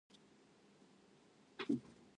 カレンダーも最後の一枚となりました